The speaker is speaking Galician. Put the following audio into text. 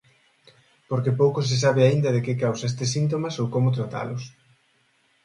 Porque pouco se sabe aínda de que causa estes síntomas ou como tratalos.